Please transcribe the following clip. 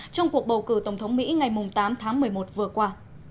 trong cuộc bầu cử tổng thống mỹ ngày tám tháng một mươi một vừa qua